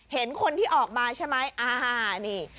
เห็นคนที่ออกมาใช่ไหมอ่านี่